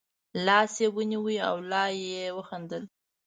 لاس یې ونیو او لا یې خندل.